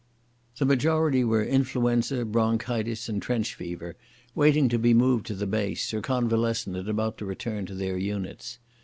The majority were influenza, bronchitis, and trench fever—waiting to be moved to the base, or convalescent and about to return to their units.